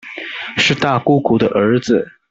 是大姑姑的兒子